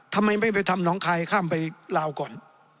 ทำไมไม่ไปทำน้องคายข้ามไปลาวก่อน